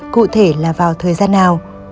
cụ thể là vào thời gian nào